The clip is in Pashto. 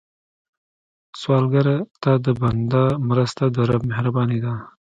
سوالګر ته د بنده مرسته، د رب مهرباني ده